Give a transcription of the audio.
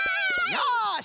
よし！